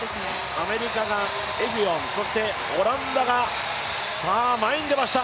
アメリカがエディオン、オランダが前に出ました。